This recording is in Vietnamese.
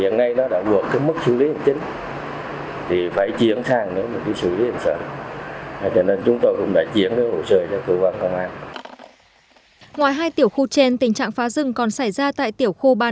ngoài hai tiểu khu trên tình trạng phá rừng còn xảy ra tại tiểu khu ba trăm năm mươi chín